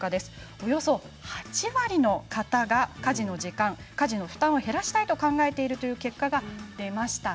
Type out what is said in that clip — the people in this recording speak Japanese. およそ８割の方が家事の時間や負担を減らしたいと考えているという結果が出ました。